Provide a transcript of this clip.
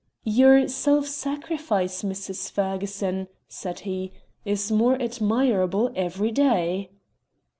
"Your self sacrifice, Mrs. Ferguson," said he, "is more admirable every day."